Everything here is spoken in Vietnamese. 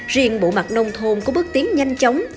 riêng bộ mặt nông thôn có bước tiến nhanh chóng